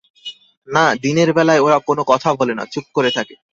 না, দিনের বেলায় ওরা কোনো কথা বলে না, চুপ করে থাকে।